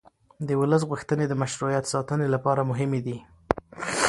د ولس غوښتنې د مشروعیت ساتنې لپاره مهمې دي